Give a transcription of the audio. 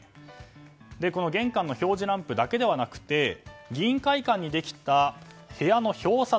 玄関の表示ランプだけではなくて議員会館にできた部屋の表札。